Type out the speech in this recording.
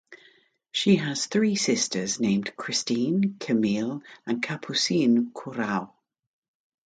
She has three sisters named Christine, Camille, and Capucine Courau.